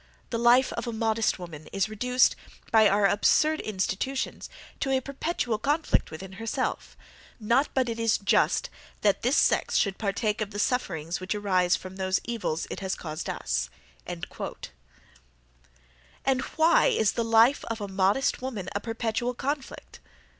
The life of a modest woman is reduced, by our absurd institutions, to a perpetual conflict with herself: not but it is just that this sex should partake of the sufferings which arise from those evils it hath caused us." And why is the life of a modest woman a perpetual conflict?